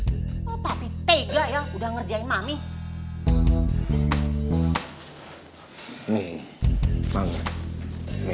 oh tapi tega ya udah ngerjain mami